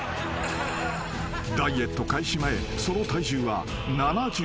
［ダイエット開始前その体重は７３．８ｋｇ］